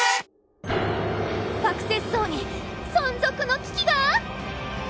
「サクセス荘」に存続の危機が！？